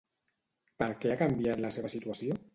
Per què ha canviat la seva situació?